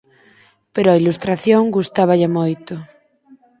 Pero a ilustración gustáballe moito.